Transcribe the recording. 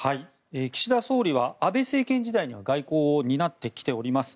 岸田総理は安倍政権時代には外交を担ってきております。